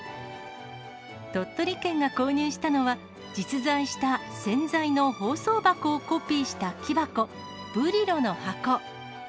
鳥取県が購入したのは、実在した洗剤の包装箱をコピーした木箱、ブリロの箱。